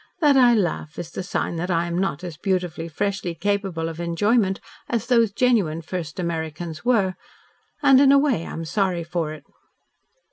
"That I laugh, is the sign that I am not as beautifully, freshly capable of enjoyment as those genuine first Americans were, and in a way I am sorry for it."